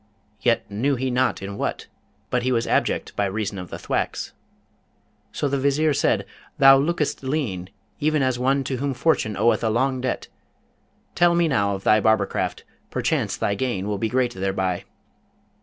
Yet knew he not in what, but he was abject by reason of the thwacks. So the Vizier said, 'Thou lookest lean, even as one to whom Fortune oweth a long debt. Tell me now of thy barbercraft: perchance thy gain will be great thereby?'